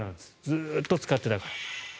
ずっと使っていたから。